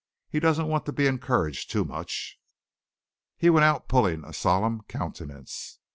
He doesn't want to be encouraged too much." He went out, pulling a solemn countenance.